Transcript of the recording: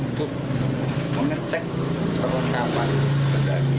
untuk mengecek perlengkapan pendaki